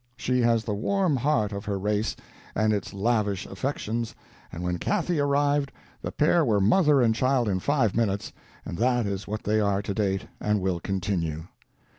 She has the warm heart of her race, and its lavish affections, and when Cathy arrived the pair were mother and child in five minutes, and that is what they are to date and will continue.